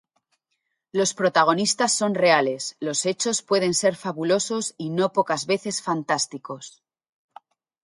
Los protagonistas son reales; los hechos pueden ser fabulosos y no pocas veces fantásticos.